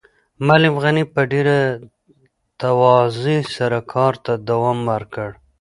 معلم غني په ډېره تواضع سره کار ته دوام ورکړ.